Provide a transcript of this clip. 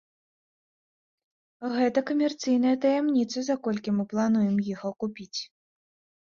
Гэта камерцыйная таямніца, за колькі мы плануем іх акупіць.